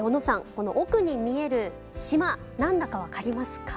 この奥に見える島何だか分かりますか？